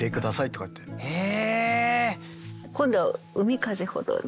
今度「海風ほどに」。